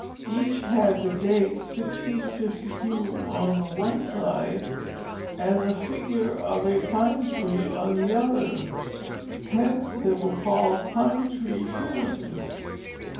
Each had the date, 1652, on the one side, and the figure of a pine tree on the other. Hence they were called pine tree shillings.